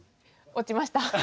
落ちました。